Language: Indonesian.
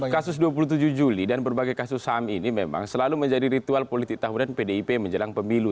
kasus dua puluh tujuh juli dan berbagai kasus saham ini memang selalu menjadi ritual politik tawuran pdip menjelang pemilu